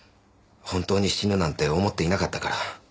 本当に死ぬなんて思っていなかったから。